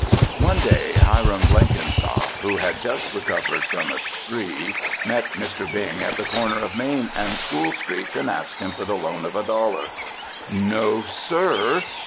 One day, Hiram Blenkinsop, who was just recovering from a spree, met Mr. Bing at the corner of Main and School Streets and asked him for the loan of a dollar. "_No sir!